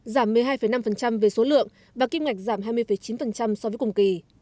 giảm một mươi hai năm về số lượng và kim ngạch giảm hai mươi chín so với cùng kỳ